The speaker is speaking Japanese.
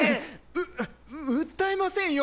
う訴えませんよ！